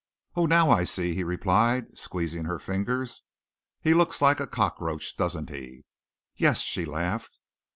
"Oh, now I see," he replied, squeezing her fingers. "He looks like a cockroach, doesn't he?" "Yes," she laughed.